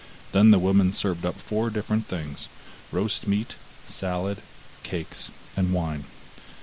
Then the woman served up four different things, roast meat, salad, cakes, and wine.